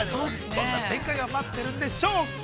どんな展開が待っているんでしょうか。